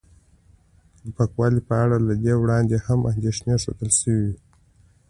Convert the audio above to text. د پاکوالي په اړه له دې وړاندې هم اندېښنې ښودل شوې وې